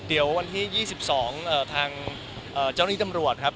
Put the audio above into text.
เดี๋ยววันที่ยี่สิบสองเอ่อทางเอ่อเจ้าหนี้ตำรวจครับ